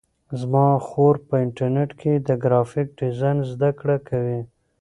زما خور په انټرنیټ کې د گرافیک ډیزاین زده کړه کوي.